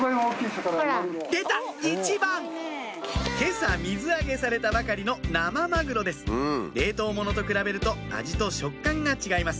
今朝水揚げされたばかりの生マグロです冷凍物と比べると味と食感が違います